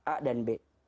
a dan b